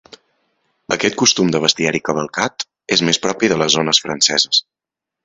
Aquest costum de bestiari cavalcat és més propi de les zones franceses.